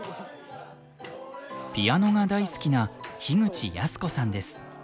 ピアノが大好きな口泰子さんです。